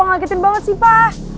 ngagetin banget sih pak